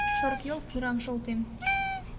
- Шорыкйол пурам шолтем.